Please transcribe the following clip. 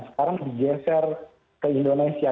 sekarang digeser ke indonesia